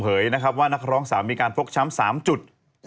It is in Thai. เหยยนะครับว่านครองสาวมีการฟุกช้ำ๓จุด